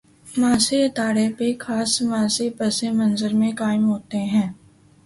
معاشی ادارے بھی خاص سماجی پس منظر میں قائم ہوتے ہیں۔